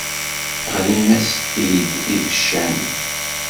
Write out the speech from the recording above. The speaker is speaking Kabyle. Ɣlin-asent-id ibeccan.